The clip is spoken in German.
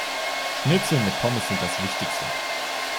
Schnitzel mit Pommes sind das Wichtigste.